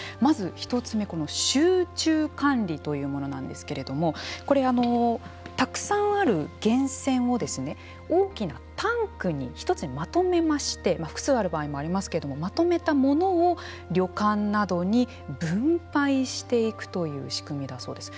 まず１つ目集中管理というものなんですけれどもこれ、たくさんある源泉を大きなタンクに１つにまとめまして複数ある場合もありますけれどもまとめたものを旅館などに分配していくという仕組みだそうです。